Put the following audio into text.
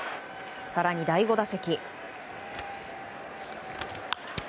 更に第５打席。